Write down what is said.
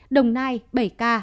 đồng nai bảy ca